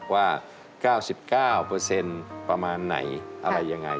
ว่า๙๙ประมาณไหนอะไรยังไง